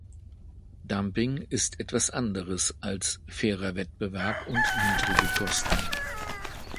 Dumping ist etwas anderes als fairer Wettbewerb und niedrigere Kosten.